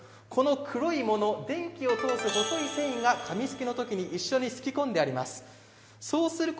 この黒いもの電気を通す細い線が紙すきのときに一緒にすき込んであります。